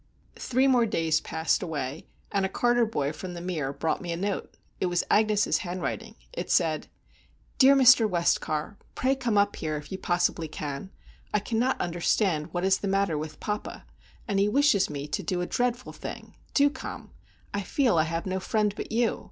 Three more days passed away, and a carter boy from The Mere brought me a note. It was Agnes' handwriting. It said: "Dear Mr. Westcar: Pray come up here, if you possibly can. I cannot understand what is the matter with papa; and he wishes me to do a dreadful thing. Do come. I feel that I have no friend but you.